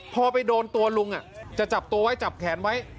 พอไปโดนตัวลุงจะจับตัวไว้จับแขนไว้